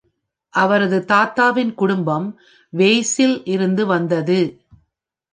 அவரது தாத்தாவின் குடும்பம் வேல்ஸில் இருந்து வந்தது.